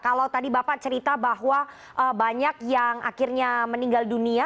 kalau tadi bapak cerita bahwa banyak yang akhirnya meninggal dunia